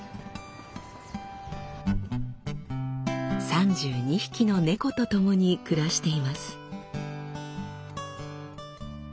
３２匹の猫とともに暮らしています。